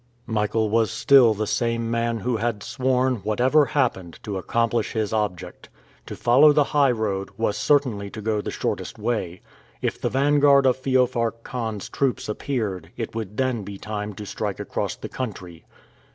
Michael was still the same man who had sworn, whatever happened, to accomplish his object. To follow the highroad, was certainly to go the shortest way. If the vanguard of Feofar Khan's troops appeared, it would then be time to strike across the country.